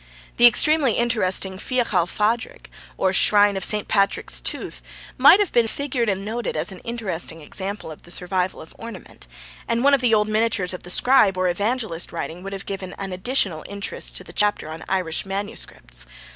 The extremely interesting Fiachal Phadrig, or shrine of St. Patrick's tooth, might have been figured and noted as an interesting example of the survival of ornament, and one of the old miniatures of the scribe or Evangelist writing would have given an additional interest to the chapter on Irish MSS.